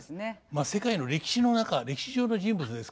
まあ世界の歴史の中歴史上の人物ですからね。